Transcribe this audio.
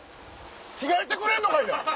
着替えてくれんのかいな！